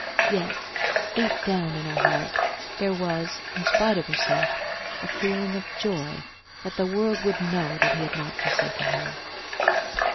Yet deep down in her heart, there was, in spite of herself, a feeling of joy that the world would know that he had not forsaken her.